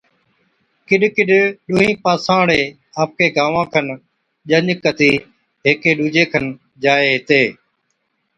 ڪِڏَ ڪِڏَ ڏُونَھين پاسان ھاڙي آپڪي گانوان کن ڄَڃ ڪَتِي ھيڪي ڏُوجي کن جائي ھِتي